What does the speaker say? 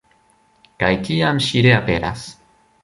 Kaj tiam ŝi reaperas.